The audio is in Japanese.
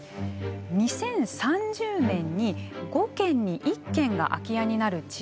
２０３０年に５軒に１軒が空き家になる地域